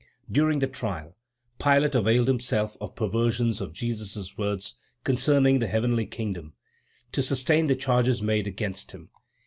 During the trial, Pilate availed himself of perversions of Jesus' words concerning the heavenly kingdom, to sustain the charges made against him.